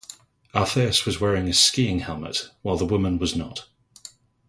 Althaus was wearing a skiing helmet, while the woman was not.